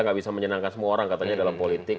gak bisa menyenangkan semua orang katanya dalam politik